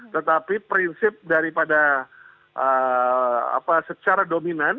tetapi prinsip daripada secara dominan